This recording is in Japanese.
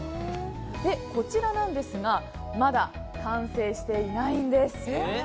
こちらなんですが、まだ完成していないんです。